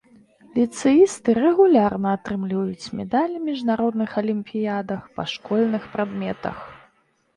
Ліцэісты рэгулярна атрымліваюць медалі міжнародных алімпіядах па школьных прадметах.